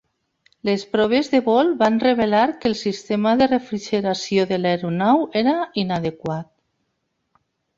Les proves de vol van revelar que el sistema de refrigeració de l'aeronau era inadequat.